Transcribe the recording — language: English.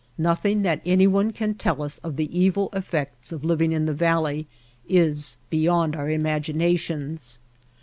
Nothing that anyone can tell us of the evil effects of living in the valley is beyond our imaginations.